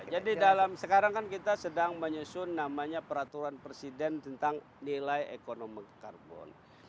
jadi sekarang kan kita sedang menyusun namanya peraturan presiden tentang nilai ekonomi karbon